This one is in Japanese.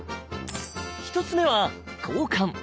１つ目は交換。